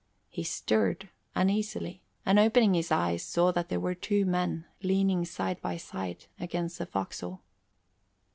He stirred uneasily, and opening his eyes, saw that there were two men leaning side by side against the forecastle.